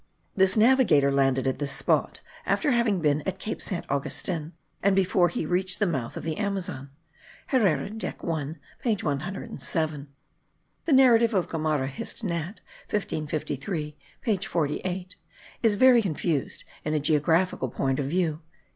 This navigator landed at this spot, after having been at Cape Saint Augustin, and before he reached the mouth of the Amazon. Herrera dec. I page 107. The narrative of Gomara, Hist. Nat. 1553 page 48, is very confused in a geographical point of view.)